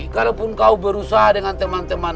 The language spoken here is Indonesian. kalaupun kau berusaha dengan teman teman